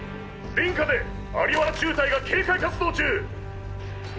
隣家で在原中隊が警戒活動中。